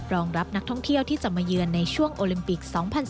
รองรับนักท่องเที่ยวที่จะมาเยือนในช่วงโอลิมปิก๒๐๑๙